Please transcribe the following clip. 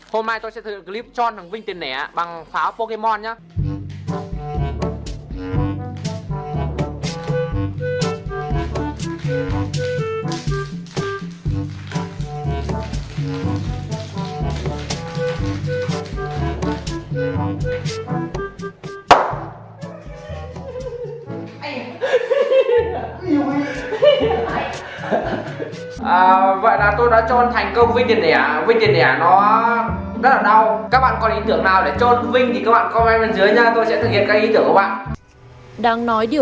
hôm mai tôi sẽ thử clip trôn thằng vinh tiền nẻ bằng pháo pokemon nhá